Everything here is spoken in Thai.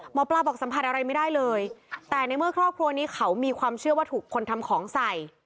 หมอปลาบอกสัมผัสอะไรไม่ได้เลยแต่ในเมื่อครอบครัวนี้เขามีความเชื่อว่าถูกคนทำของใส่